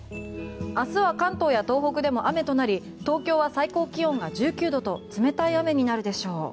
明日は関東や東北でも雨となり東京は最高気温が１９度と冷たい雨になるでしょう。